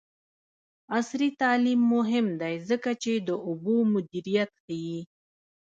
عصري تعلیم مهم دی ځکه چې د اوبو مدیریت ښيي.